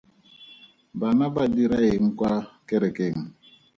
Bana ba dira eng kwa kerekeng?